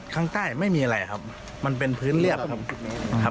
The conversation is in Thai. ข้างใต้ไม่มีอะไรครับมันเป็นพื้นเรียบครับ